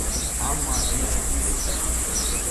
Alma Richards